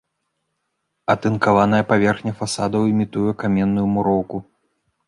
Атынкаваная паверхня фасадаў імітуе каменную муроўку.